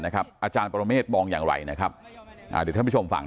อาจารย์ปรเมฆมองอย่างไรนะครับเดี๋ยวท่านผู้ชมฟัง